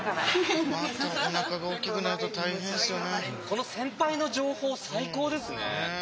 この先輩の情報最高ですね。